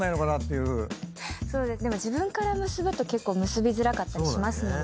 でも自分から結ぶと結構結びづらかったりしますもんね。